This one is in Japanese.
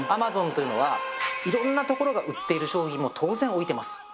Ａｍａｚｏｎというのはいろんなところが売っている商品も当然置いてます